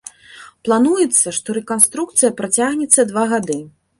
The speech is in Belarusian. Плануецца, што рэканструкцыя працягнецца два гады.